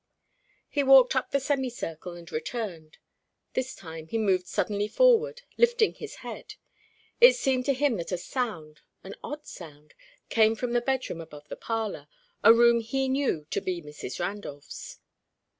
He walked up the semi circle and returned. This time he moved suddenly forward, lifting his head. It seemed to him that a sound an odd sound came from the bedroom above the parlour, a room he knew to be Mrs. Randolph's.